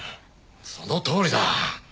そのとおりだ。